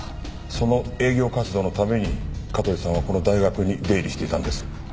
その営業活動のために香取さんはこの大学に出入りしていたんです。